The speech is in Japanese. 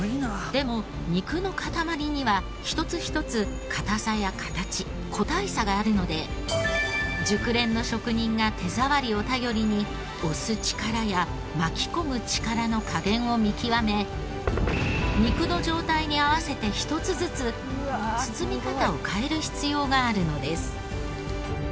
でも肉の塊には１つ１つ硬さや形個体差があるので熟練の職人が手触りを頼りに押す力や巻き込む力の加減を見極め肉の状態に合わせて１つずつ包み方を変える必要があるのです。